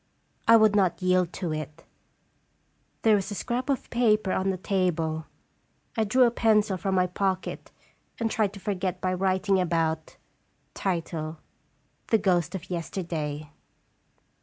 I would not yield to it. There was a scrap of paper on the table. I drew a pencil from my pocket, and tried to forget by writing about THE GHOST OF YESTERDAY.